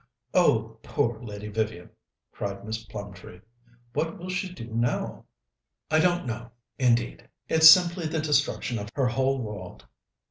"Oh, poor Lady Vivian!" cried Miss Plumtree. "What will she do now?" "I don't know, indeed. It's simply the destruction of her whole world.